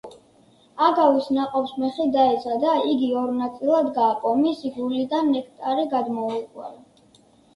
აგავის ნაყოფს მეხი დაეცა და იგი ორ ნაწილად გააპო, მისი გულიდან ნექტარი გადმოიღვარა.